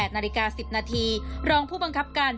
๘นาฬิกา๑๐นาทีรองผู้บังคับการ